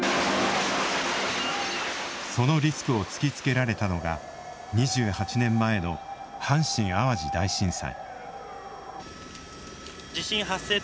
そのリスクを突きつけられたのが２８年前の阪神・淡路大震災。